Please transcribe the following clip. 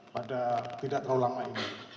pada tidak terlalu lama ini